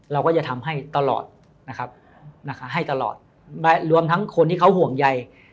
เราก็จะทำให้ตลอดนะครับให้ตลอดรวมทั้งคนที่เขาห่วงใย